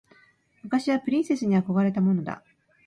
昔はプリンセスに憧れたものだ。